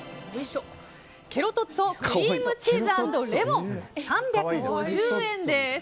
ケロトッツォクリームチーズ＆レモン３５０円です。